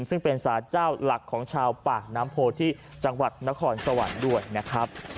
ซึ่งเป็นสารเจ้าหลักของชาวปากน้ำโพที่จังหวัดนครสวรรค์ด้วยนะครับ